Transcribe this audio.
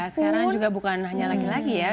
sekarang juga bukan hanya laki laki ya